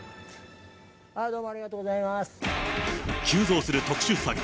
急増する特殊詐欺。